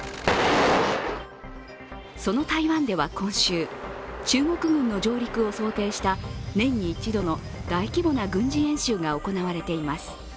その台湾では今週、中国軍の上陸を想定した年に一度の大規模な軍事演習が行われています。